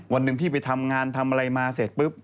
วันหนึ่งพี่ไปทำงานทำอะไรมาเสร็จปุ๊บ